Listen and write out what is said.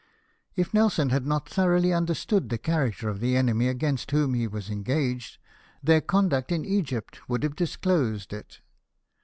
If Nelson had not thoroughly understood the character of the enemy against whom he was engaged their conduct in Egypt would have disclosed it.